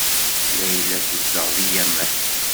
Layla tezdeɣ deg Yamen.